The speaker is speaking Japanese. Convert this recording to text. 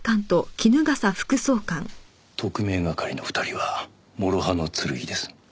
特命係の２人は諸刃の剣です。